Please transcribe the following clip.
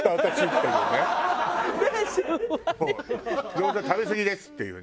「餃子食べすぎです」っていうね。